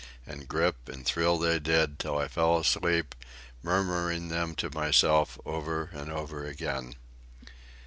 And grip and thrill they did, till I fell asleep, murmuring them to myself over and over again.